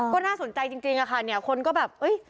ก็น่าสนใจจริงอะค่ะเนี่ยคนก็แบบเอ้ย